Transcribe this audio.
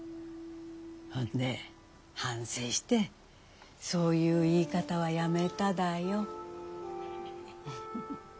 ほんで反省してそういう言い方はやめただよ。